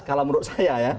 kalau menurut saya ya